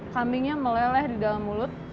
kambingnya meleleh di dalam mulut